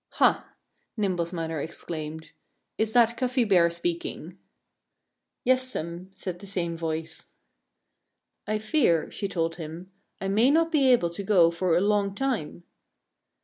"Ha!" Nimble's mother exclaimed. "Is that Cuffy Bear speaking?" "Yessum!" said the same voice. "I fear," she told him, "I may not be able to go for a long time."